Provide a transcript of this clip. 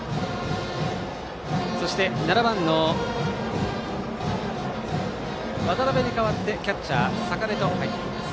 そして７番の渡邊に代わってキャッチャー坂根と入っています。